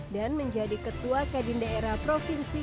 dan menjadi ketua kadindaerah provinsi